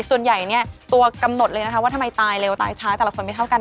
ส่วนใหญ่เนี่ยตัวกำหนดเลยนะคะว่าทำไมตายเร็วตายช้าแต่ละคนไม่เท่ากัน